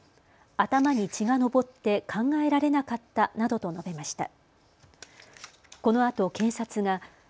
頭に血が上って考えられなかったなどと述べました。